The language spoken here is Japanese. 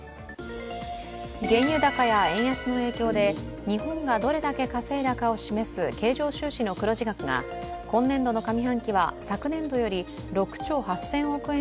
原油高や円安の影響で日本がどれだけ稼いだかを示す経常収支の黒字額が今年度の上半期は昨年度より６兆８０００億円